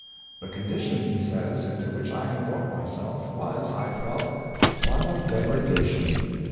" The condition," he says, " into which I had brought myself was, I felt, one of degradation.